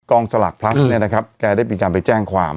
สลากพลัสเนี่ยนะครับแกได้มีการไปแจ้งความ